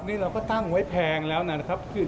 นี่เราก็ตั้งไว้แพงแล้วนะครับ